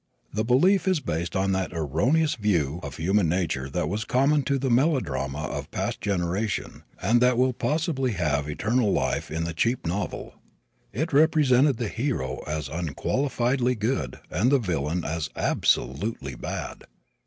The belief is based on that erroneous view of human nature that was common to the melodrama of a past generation and that will possibly have eternal life in the cheap novel. It represented the hero as unqualifiedly good and the villain as absolutely bad.